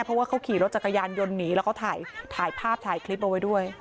เพราะว่าเขาขี่รถจักรยานยนต์หนีแล้วเขาถ่ายภาพถ่ายคลิปเอาไว้ด้วย